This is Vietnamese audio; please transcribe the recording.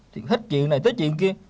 thì hết chuyện này tới chuyện kia